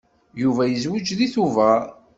Yuba yezweǧ deg Tubeṛ.